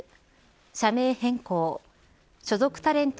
社名変更所属タレント